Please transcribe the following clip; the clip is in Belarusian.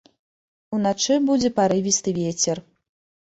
Уначы будзе парывісты вецер.